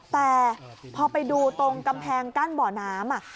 แต่พอไปดูตรงกำแพงกั้นบ่อน้ำ